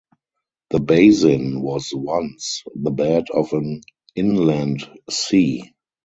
The basin was once the bed of an inland sea.